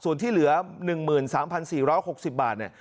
ส่วนที่เหลือ๑๓๔๖๐บาท